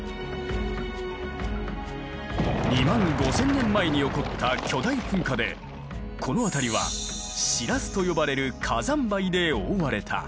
２万５，０００年前に起こった巨大噴火でこの辺りはシラスと呼ばれる火山灰で覆われた。